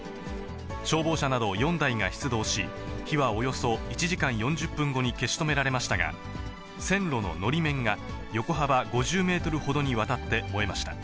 消防車など４台が出動し、火はおよそ１時間４０分後に消し止められましたが、線路ののり面が、横幅５０メートルほどにわたって燃えました。